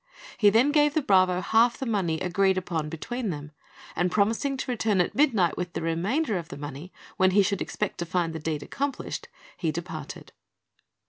He then gave the bravo half of the money agreed upon between them, and promising to return at midnight with the remainder of the money, when he should expect to find the deed accomplished, he departed.